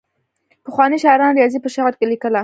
پخوانیو شاعرانو ریاضي په شعر لیکله.